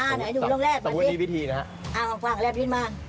อ้าวหน่อยดูตรงแรกหน่อยสิอ้าวฟังแลบลิ้นมา